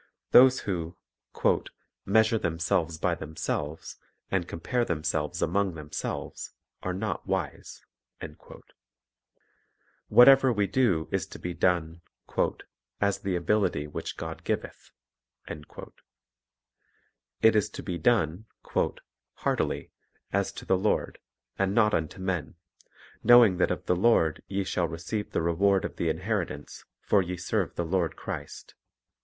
Those who "measure themselves by themselves, and compare themselves among themselves, are not wise." What ever we do is to be done "as of the ability which God giveth." It is to be done "heartily, as to the Lord, and not unto men ; knowing that of the Lord ye shall receive the reward of the inheritance; for ye serve the Lord Christ."